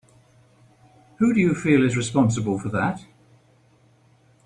Who do you feel is responsible for that?